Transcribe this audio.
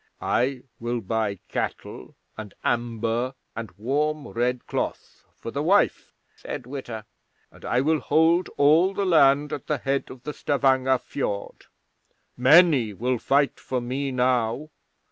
'"I will buy cattle and amber and warm red cloth for the wife," said Witta, "and I will hold all the land at the head of Stavanger Fiord. Many will fight for me now.